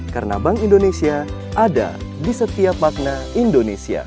karena bank indonesia ada di setiap makna indonesia